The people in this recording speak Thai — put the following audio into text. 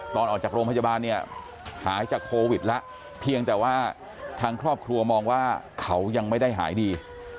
ออกจากโรงพยาบาลเนี่ยหายจากโควิดแล้วเพียงแต่ว่าทางครอบครัวมองว่าเขายังไม่ได้หายดี